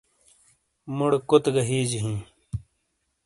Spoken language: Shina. مُوڑے کوتے گہ ہِیجے ہِیں۔